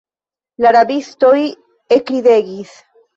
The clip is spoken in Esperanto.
La rabistoj ekridegis.